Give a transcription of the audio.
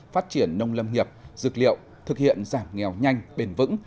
phát triển nông lâm nghiệp dược liệu thực hiện giảm nghèo nhanh bền vững